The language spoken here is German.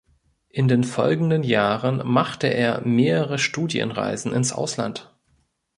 In den folgenden Jahren machte er mehrere Studienreisen ins Ausland.